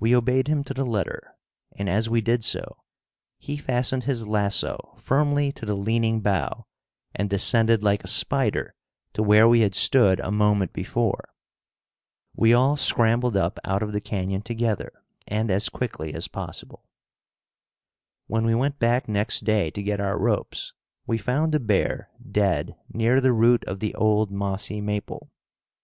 We obeyed him to the letter, and as we did so, he fastened his lasso firmly to the leaning bough and descended like a spider to where we had stood a moment before. We all scrambled up out of the canyon together and as quickly as possible. When we went back next day to get our ropes we found the bear dead near the root of the old mossy maple.